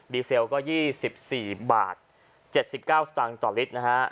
ดีเซลล์ก็๒๔๗๙สตางค์ต่อลิตร